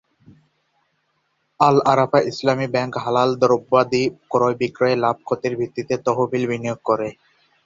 Al-Arafah Islami bank হালাল দ্রব্যাদি ক্রয়বিক্রয়ে লাভক্ষতির ভিত্তিতে তহবিল বিনিয়োগ করে।